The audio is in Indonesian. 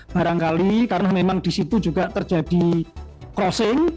barangkali karena memang di situ juga terjadi crossing